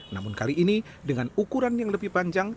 namun kali ini dengan ukuran yang lebih panjang